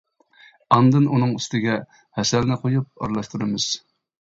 ئاندىن ئۇنىڭ ئۈستىگە ھەسەلنى قۇيۇپ ئارىلاشتۇرىمىز.